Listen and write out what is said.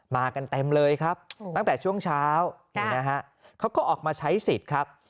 มากันเต็มเลยครับตั้งแต่ช่วงเช้าเขาก็ออกมาใช้สิทธิ์ครับ